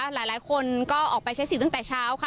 หลายคนก็ออกไปใช้สิทธิ์ตั้งแต่เช้าค่ะ